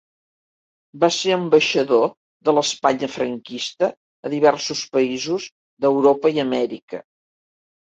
Va ser ambaixador de l'Espanya franquista a diversos països d'Europa i Amèrica.